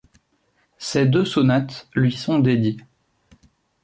Ces deux sonates lui sont dédiées.